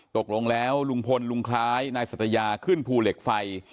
ตกลงแล้วลุงพลลุงคล้ายนายสัตยาขึ้นภูเหล็กไฟ